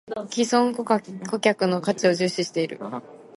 ① 既存顧客の価値を重視している